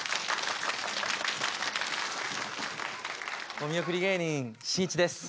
お見送り芸人しんいちです。